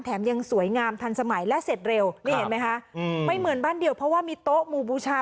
ยังสวยงามทันสมัยและเสร็จเร็วนี่เห็นไหมคะไม่เหมือนบ้านเดียวเพราะว่ามีโต๊ะหมู่บูชา